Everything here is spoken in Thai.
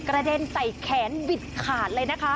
เด็นใส่แขนวิดขาดเลยนะคะ